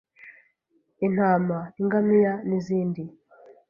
intama, ingamiya n’izindi,